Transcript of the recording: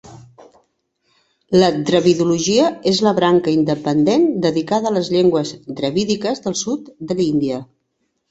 La dravidologia es la branca independent dedicada a les llengües dravídiques del sud de l'Índia.